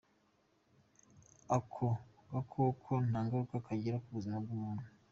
Ako gakoko nta ngaruka kagira ku buzima bw’umuntu.